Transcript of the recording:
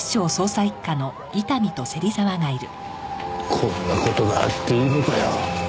こんな事があっていいのかよ。